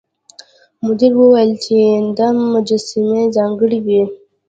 مدیر وویل چې دا مجسمې ځانګړې وې.